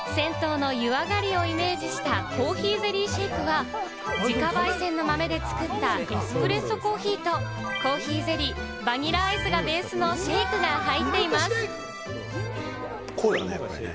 銭湯の湯上りをイメージした珈琲ゼリーシェイクは、自家焙煎の豆で作ったエスプレッソコーヒーと、コーヒーゼリー、バニラアイスがベースのシェイクが入っています。